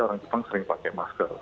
orang jepang sering pakai masker